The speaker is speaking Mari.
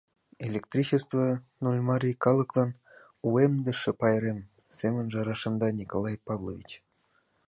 «Электричество — Нольмарий калыклан «Уэмдыше» пайрем, — семынже рашемда Николай Павлович.